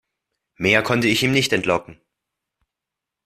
Mehr konnte ich ihm nicht entlocken.